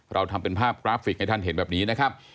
เราทำเป็นภาพกราฟิกให้ท่านเห็นแบบนี้นะครับ